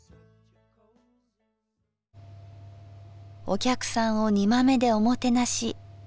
お客さんを煮豆でおもてなし。